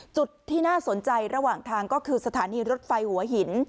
จุดที่น่าสนใจระหว่างทางก็คือสถานีรถไฟหัวหิน